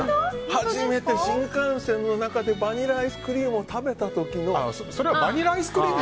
初めて新幹線の中でバニラアイスクリームをそれはバニラアイスクリーム。